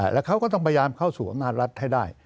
แล้วเขาก็ต้องพยายามเข้าสู่อำนาจรัฐให้ได้